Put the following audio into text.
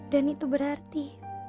dan itu berarti